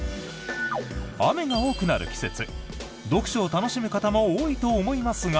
雨が多くなる季節読書を楽しむ方も多いと思いますが